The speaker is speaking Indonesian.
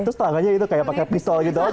terus tangganya itu kayak pakai pistol gitu